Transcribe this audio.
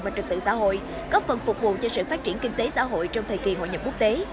và trực tự xã hội góp phần phục vụ cho sự phát triển kinh tế xã hội trong thời kỳ hội nhập quốc tế